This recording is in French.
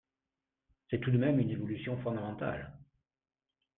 C’est tout de même une évolution fondamentale.